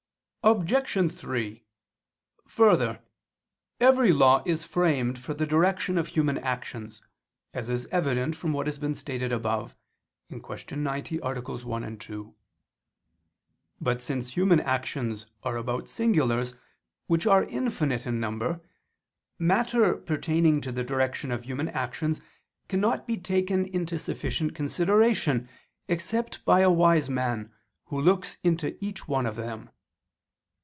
Obj. 3: Further, every law is framed for the direction of human actions, as is evident from what has been stated above (Q. 90, AA. 1, 2). But since human actions are about singulars, which are infinite in number, matter pertaining to the direction of human actions cannot be taken into sufficient consideration except by a wise man, who looks into each one of them.